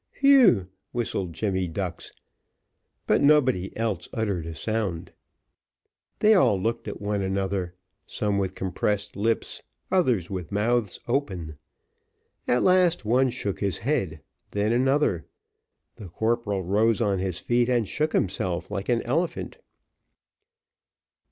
"Whew!" whistled Jemmy Ducks but nobody else uttered a sound; they all looked at one another, some with compressed lips, others with mouths open. At last one shook his head then another. The corporal rose on his feet and shook himself like an elephant.